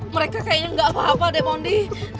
mereka kayaknya gak apa apa dek mondi